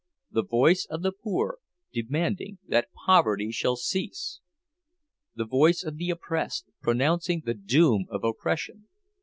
The voice of the poor, demanding that poverty shall cease! The voice of the oppressed, pronouncing the doom of oppression!